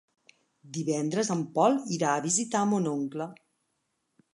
Divendres en Pol irà a visitar mon oncle.